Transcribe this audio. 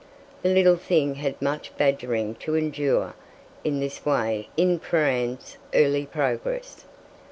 The little thing had much badgering to endure in this way in Prahran's early progress.